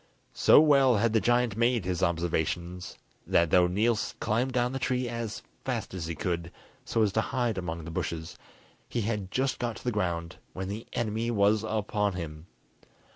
So well had the giant made his observations, that though Niels climbed down the tree as fast as he could, so as to hide among the bushes, he had just got to the ground when the enemy was upon him.